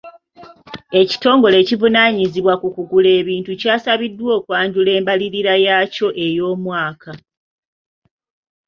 Ekitongole ekivunaanyizibwa kukugula ebintu kyasabiddwa okwanjula embalirira yaakyo ey'omwaka.